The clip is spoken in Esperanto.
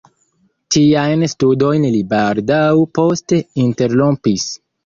Tiajn studojn li baldaŭ poste interrompis.